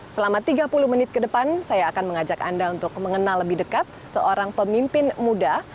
selama tiga puluh menit ke depan saya akan mengajak anda untuk mengenal lebih dekat seorang pemimpin muda